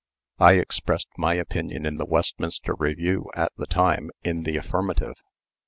I expressed my opinion in the Westminster Review, at the time, in the affirmative.